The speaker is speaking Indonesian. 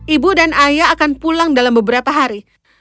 ibu dan ayah akan pulang dalam beberapa hari